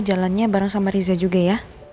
jalannya bareng sama riza juga ya